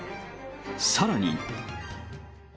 さらに。